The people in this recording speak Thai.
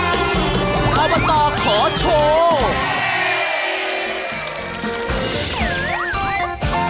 อบตขอโชว์